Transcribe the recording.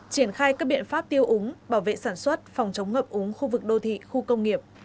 triển khai các biện pháp tiêu úng bảo vệ sản xuất phòng chống ngập úng khu vực đô thị khu công nghiệp